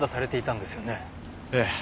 ええ。